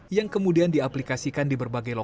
yang kemudian diaplikasikan diberkualifikasi